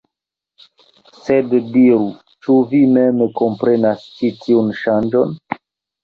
Sed diru, ĉu vi mem komprenas ĉi tiun ŝanĝon?